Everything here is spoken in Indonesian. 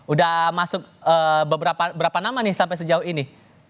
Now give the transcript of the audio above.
udah masuk berapa nama nih sampai sejauh ini